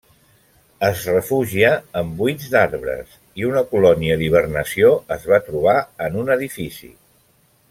Es refugia en buits d'arbres, i una colònia d'hibernació es va trobar en un edifici.